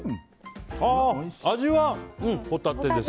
味はホタテです。